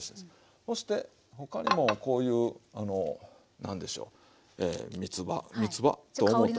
そして他にもこういう何でしょうみつ葉みつ葉と思った。